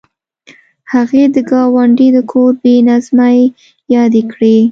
هغې د ګاونډي د کور بې نظمۍ یادې کړې